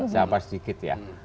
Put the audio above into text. sabar sedikit ya